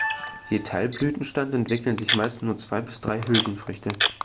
Je Teilblütenstand entwickeln sich meist nur zwei bis drei Hülsenfrüchte.